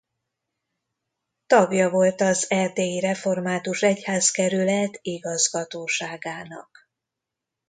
Tagja volt az erdélyi református egyházkerület igazgatóságának.